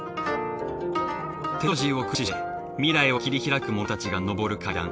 テクノロジーを駆使して未来を切り拓く者たちが昇る階段。